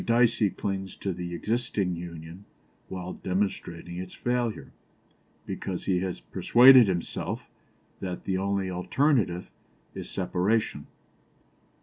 Dicey clings to the existing Union while demonstrating its failure, because he has persuaded himself that the only alternative is separation.